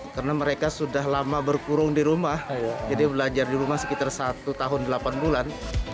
karena mereka sudah lama berkurung di rumah jadi belajar di rumah sekitar satu tahun delapan bulan